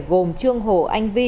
gồm trương hồ anh vi